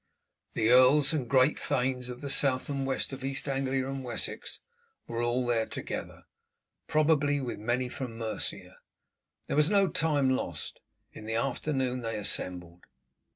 The earls and great thanes of the South and West, of East Anglia and Wessex, were all there together, probably with many from Mercia. There was no time lost. In the afternoon they assembled.